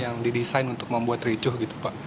yang didesain untuk membuat ricuh gitu pak